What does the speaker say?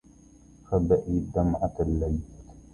خبئي الدمعة للعيد